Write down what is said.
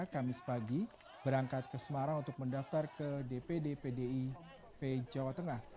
kamis pagi berangkat ke semarang untuk mendaftar ke dpd pdip jawa tengah